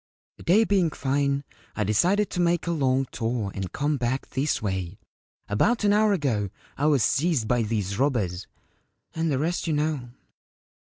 The day being fine, I decided to make a long tour and come back this way. About an hour ago I was seized by these robbers ; and the rest you know.